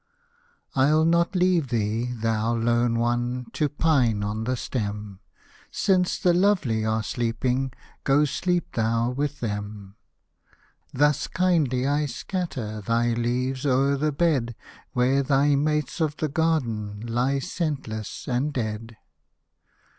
I'll not leave thee, thou lone one ! To pine on the stem ; Since the lovely are sleeping. Go, sleep thou with them. Hosted by Google THE YOUNG MAY MOON 29 Thus kindly I scatter Thy leaves o'er the bed, Where thy mates of the garden Lie scentless and dead.